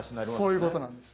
そういうことなんです。